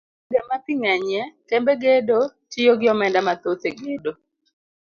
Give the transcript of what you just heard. E gwenge ma pii ng'enyie, kembe gedo tiyo gi omenda mathoth e gedo.